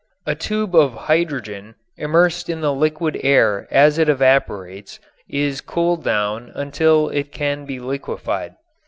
A tube of hydrogen immersed in the liquid air as it evaporates is cooled down until it can be liquefied.